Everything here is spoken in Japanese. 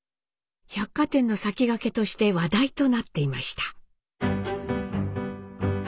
百貨店の先駆けとして話題となっていました。